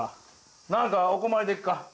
何かお困りでっか？